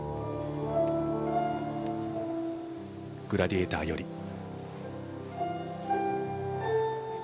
「グラディエーター」より。